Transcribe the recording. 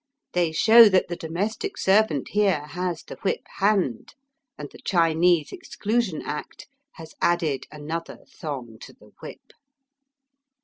They show that the domestic servant here has the whip hand, and the Chinese Exclusion Act has added another thong to the whip.